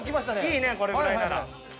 いいねこれぐらいなら。